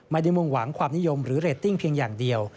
มุ่งหวังความนิยมหรือเรตติ้งเพียงอย่างเดียว